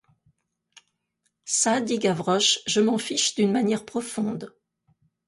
Ça, dit Gavroche, je m'en fiche d'une manière profonde.